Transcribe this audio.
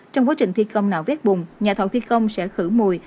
trong quá trình thi công nào phép bùng nhà thọ thi công sẽ khử mùi